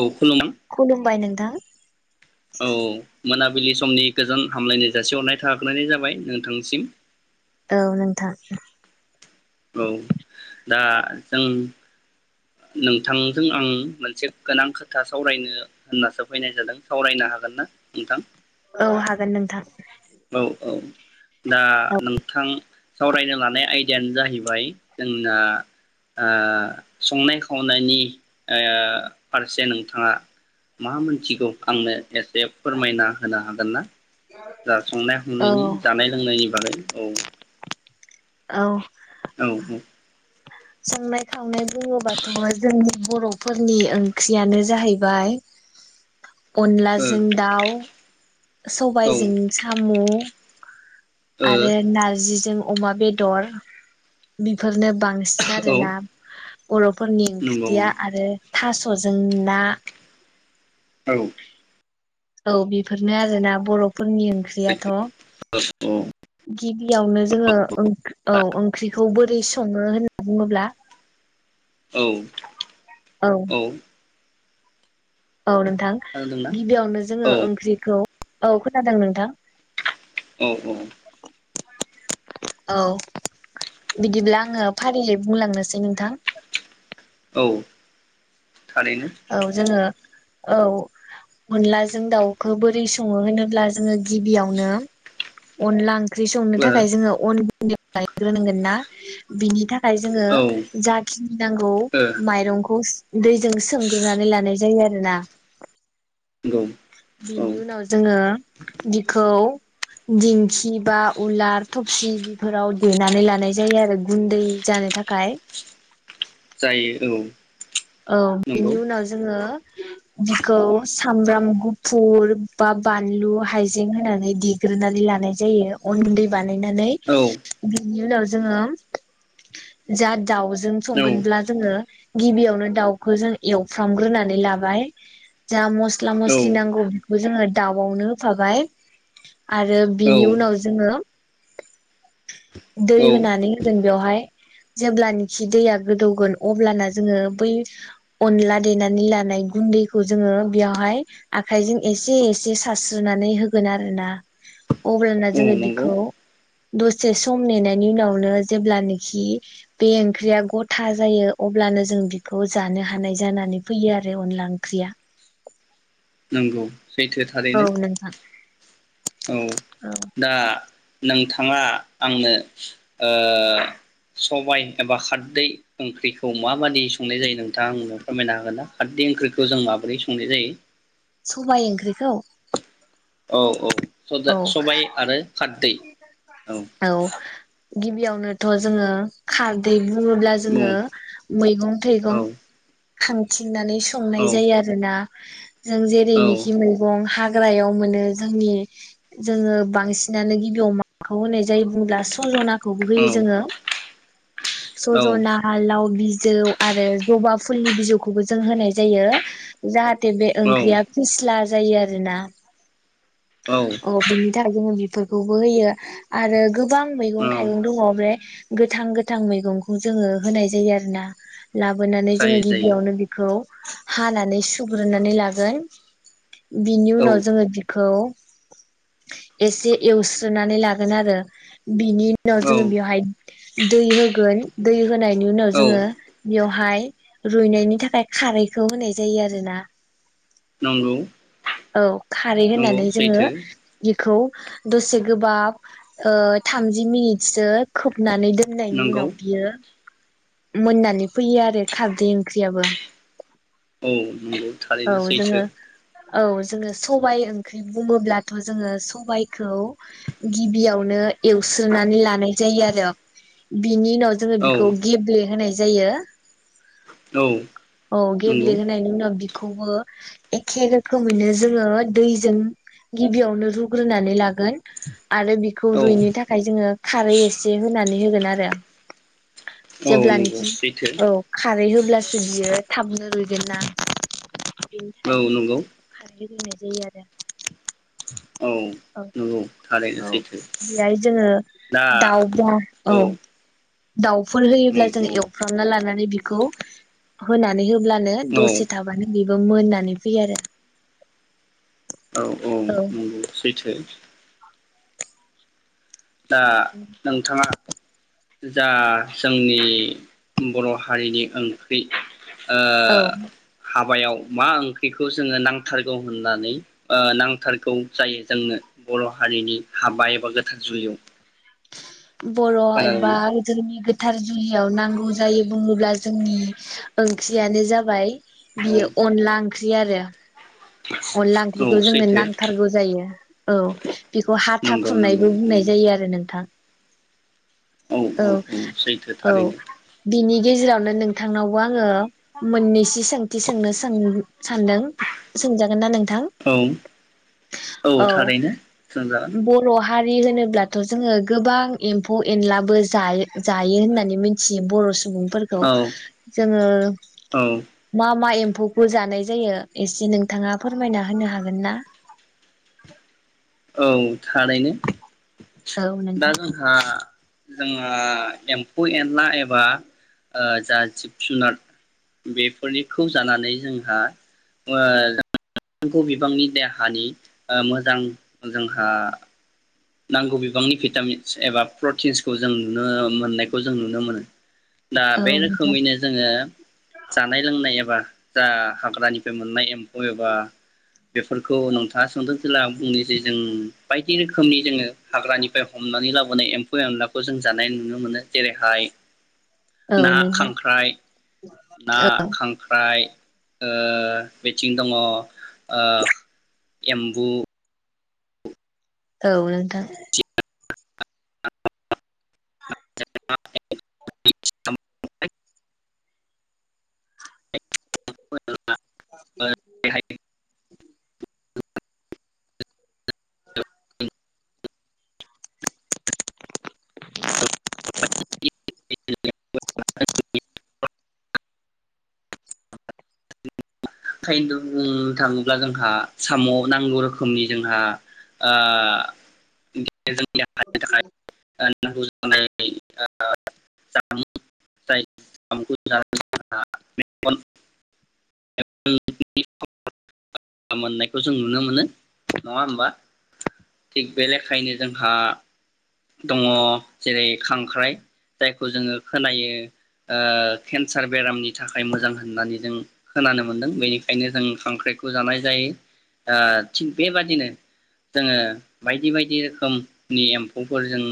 औ खुलुम खुलुमबाय नोंथां औ मोनाबिलि समनि गोजोन हामलायनाय जासिहरनाय थाग्रोनाय जाबाय नोंथांसिम। औ नोंथां। औ दा जों- नोंथांजों आं मोनसे गोनां खोथा सावरायनो होननासो फैनाय जादों सावरायनो हागोन ना नोंथां? औ हागोन नोंथां। औ-औ दा औ नोंथां सावरायनो लानाय आयदायानो जाहैबाय जोंना ओ संनाय खावनाय खावनायनि ओ फारसे नों थाङा मा मोनथिगौ आंनो एसे फोरमायना होनो हागोन ना? दा संनाय औ हावनायनि जानाय लोंनायनि बागै औ औ। औ औ। संनाय खावनाय बुङोबाथ' जोंनि बर'फोरनि ओंख्रियानो जाहैबाय ओ अनलाजों दाउ औ सबाइजों साम' आरो ओ नारजिजों अ अमा बे दर बिफोरनो बांसिन औ आरोना। बर'फोरनि नंगौ ओंख्रिया आरो थास'जों ना औ। औ बेफोरनो आरोना बर'फ फोरनि ओंख्रियाथ' सैथो गिबियावनो जोङो ओंख्रि औ ओंख्रिखौ बोर रै सङो होनना बुङोब्ला औ। औ। औ नोंथां खोनादोंना गिबियावनो जोङो औ ओंख्रिखौ औ खोनादों नोंथां। औ औ औ बिदिब्ला आङो फारियै बुंलांनोसै नोंथां। औ। थारैनो औ जोङो औ अनलाजों दाउखौ बोरै सङो होनोब्ला जोङो गिबियावनो अनला ओंख ओंख्रि संनो ओ थाखाय जोङो अन गुन [unintelligible] ग्रोनांगोन ना बिनि थाख खाय जोङो औ ओ जाखिनि नांगौ माइरंखौ स दैज जों सोंग्रोननानै लानाय ज जायो आरो ना। नंगौ औ बिनि उनाव जोङो बिखौ दिंखि बा उलार, थफसि बेफोराव देनानै लानाय जायो आरो गुन्दै जानो थाखाय। जायो औ। औ नंगौ बेनि उनाव जोङो। बिखौ सामब्राम गुफुर बा बानलु हायजें होनानै देग्रोनानै लानाय जायो अनगुन्दै बानायनानै औ बिनि उनाव जोङो जा दावजों औ संगोनब्ला जोङो। गिबियावनो दा जों एवफ्रामग्रोनानै लाबाय जा मस्ला मस्ला मसलि नांगौ जोङो दाउआवनो होफाबाय आरो औ बिनि उनाव जोङो दै औ होनानै जों बेवहाय जेब्लानोखि दैया गोदौगोन अब्लाना जोङो बै अनला देनानै लानाय गुन्दैखौ जोङो बेयावहाय आखाइजों एसे एसे सारस्रोनानै होगोन आरो ना अब्लाना जोङो नंगौ बिखौ दसे सम नेनायनि उनावनो जेब्लानोखि बे ओंख्रिया गथा जायो अब्लानो जों बिखौ खौ जानो हानाय जानानै फैयो आरो अनला ओंख्रिया नंगौ‌। सैथो औ थारैनो नोंथां औ दा नोंथाङा आंनो ओ सबाय एबा खारदै ओंख्रिखौ माबादि संनाय जायो नोंथाङाव फोरमायनो हागोन ना खारदै ओंख्रिखौ जों माबोरै संनाय जायो। सबाय ओंख्रिखौ। औ औ औ सबाय आरो खारदै। औ गिबियावनोथ' जोङो खारदै बुङोब्ला औ जोङो मैगं औ थाइगं खानथि नानै औ संनाय जायो आरो ना जों औ जेरैनिखि मैगं हाग हाग्रायाव मोनो जोंनि जोङो बांसिनानो गिबियाव मा [unintelligible] जाय बुङोब्ला सजनाखौबो होयो जोङो। सजना आल लाउ बिजौ आरो जबा फुलनि बिजौखौबो जों होनाय जायो जाहा बे औ ओंख्रिया फिस्ला जायो आरो ना? औ [unintelligible] बोखौबो होयो आरो गोबां मैगं औ थाइगं दङ बे गोथां गो गोथां मैगंखौ जोङो होनाय जायो आरो ना। लाबोनानै जोङो जायो जायो गिबियावनो बिखौ हानानै सुग्रोनानै लागोन। बिनि औ उनाव जोङो बिखौ एसे एवस्रोनानै लागोन आरो। बिनि उनाव औ जोङो बेवहाय दै होग होगोन दै होनायनि उनाव औ जोङो बेयाव बेहाय रुइनायनि थाखाय खारैखौ होनाय जायो आरो ना। नंगौ औ खारै नंगौ होननानै जोङो सैथो बि खौ दसे गोबाब ओ थामजि मिनिटसो खोब नानै दोननायनि नंगौ उनाव बियो मोननानै फैयो आरो खारदै ओंख्रियाबो। औ नंगौ औ थारैनो सैथो। जोङो औ जोङो सबाइ ओंख्रि बुङोब्लाथ' जोङो सबाइखौ गिबियावनो एवस्रोनानै लानाय जायो आरो बि बिनि उनाव जोङो औ बेखौ गेब्ले होनाय जायो। औ औ गेब्ले नंगौ होनायनि उनाव बि खौबो एखे रो रोखोमैनो जोङो दैजों गिबियावनो रुग्रोनानै लागोन। आरो बेखौ औ रुइनो थाखाय जोङो खारै एसे होनानै होगोन। आरो औ नंगौ जेब्लानोखि सैथो औ खारै होब्लासो बियो थाबनो रुइ गोनना बेनि औ थाखायनो नंगौ बिदि बुंनाय जायो आरो। [inaudible] औ नंगौ थारैनो औ सैथो बेहाय जोङो दा दावब' औ दाउफोर होयोब्ला जों औ औ एवफ्रामना लाना होनानै बिखौ होनानै हो होनल्बानो दसे थाबानो बि बो मोननानै फैयो आरो औ औ नंगौ सैथो [inaudible] दा नोंथाङा जा जोंनि बर' हारिनि ओंख्रि ओ औ हाबायाव मा ओंख्रिखौ जोङो नांथारगौ होननानै ओ नांथारगौ जायो जोंनो बर' हारिनि हाबा एबा गोथार जुलियाव बर' एबा खोनादोंना जोंनि गोथ गोथार जुलियाव नांगौ जायो बुङोब्ला जोंनि ओंख्रियानो जाबाय औ बियो अनला ओंख ख्रि आरो अनला औ ओंख्रिखौ जोंनो सैथो नांथारगौ जायो औ बेखौ हाथा नंगौ नंगौ खुरनायबो बुंनाय औ जायो आरो नों नोंथां औ औ बिनि गेजेरावनो नोंथांनावबो आङो मोननैसो सोंथि सोंनो सानदों सोंजागोन ना नों औ औ थारैनो सोंजागोन बर' हारि होनोब्लाथ' जोङो गोबां एम्फौ एनला बो जायो होननानै मिथियो बर' सु सुबुंफोरखौ औ जोङो औ मा मा एम एम्फौखौ जानाय जायो एसे नोंथाङा फोरमायना होनो हागोन ना औ थारैनो औ दा नोंथां जोंहा जोंहा एम्फौ एनला एबा ओ जा जिब जुनार बेफोरनिखौ जानानै जोंहा ओ बिबांनि देहानि मोजां जोंहा नांगौ बिबांनि भिटामिनस एबा प्रटिन्सखौ जों नुनो मोननायखौ जों नुनो मोनो दा औ बे नोंथां रोखोमैनो जोङो जानाय लोंनाय एबा दा हाग्रानिफ्राय मोननाय एम म्फौ बबेबा बेफोरखौ नोंथाङा सोंदों जेल्ला बुंनोसे जों बायदि रोखोम जोङो हाग्रानिफ्राय हमनानै ला लाबोनाय एम्फौ एनलाखौ जों जानाय नुनो मोनो जेरैहाय। औ ना नोंथां खांख्राइ ना खांख्राइ। ओ बिथिं दङ ओ एम्बु। औ नोंथां। [inaudible] ओंखायनो [unintelligible] [inaudible] [inaudible] बुंनो थाङोब्ला जोंहा साम नांगौ रोखोमनि जोंहा ओ [inaudible] थाखाय नांगौ जानाय जामुं जाय जामुखौ जायोब्ला मेगन [inaudible] मोननायखौ जों नुनो मोनो नङा होमबा थिग बे ले- बेनिखायनो जोंहा दङ जेरै खांख्राइ जायखौ जोङो खोनायो ओ केन्सार बेरामनि थाखाय मोजां होननानै जों खोनानो मोनदों बेनिखायनो जों खांख्राइखौ जानाय जायो ओ थिग बेबादिनो जोङो बायदि बायदि रोखोमनि एम्फौफोर जों।